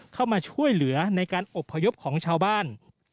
เข้ามาช่วยเหลือในการอบพยพของชาวบ้าน